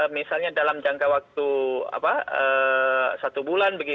misalnya dalam jangka waktu satu bulan